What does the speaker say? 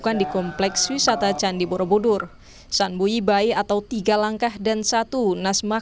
damn kompas tv tembanggung jawa tengah